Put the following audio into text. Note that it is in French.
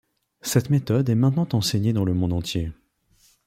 Cette méthode est maintenant enseignée dans le monde entier.